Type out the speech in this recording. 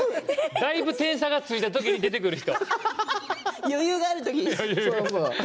だいぶ点差がついた時に出てくる人。